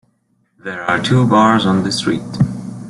There are two bars on the street.